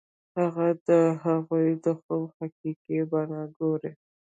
خلک د هغوی د خوب حقيقي بڼه ګوري.